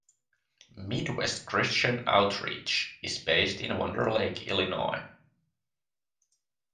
Midwest Christian Outreach is based in Wonder Lake, Illinois.